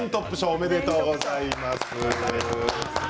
おめでとうございます。